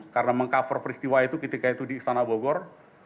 karena meng cover peristiwa itu ketika itu di istana bogor